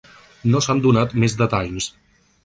No s’han donat més detalls.